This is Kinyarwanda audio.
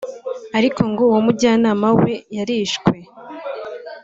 ariko ngo uwamujyanye we yarishwe